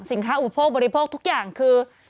สินค้าอุดโภคบริโภคทุกอย่างคือ